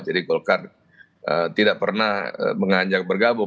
jadi golkar tidak pernah mengajak bergabung